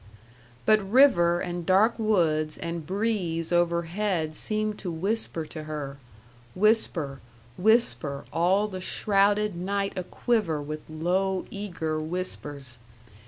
But river and dark woods and breeze overhead seemed to whisper to her whisper, whisper, all the shrouded night aquiver with low, eager whispers.